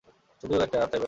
শুধু একটা, আর চাইবে না।